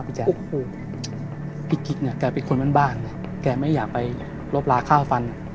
พี่กิ๊กแค่เป็นคนบ้านไม่อยากลบลาข้าวฟัน